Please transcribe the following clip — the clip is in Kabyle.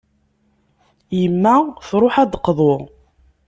Yemma truḥ ad d-teqḍu.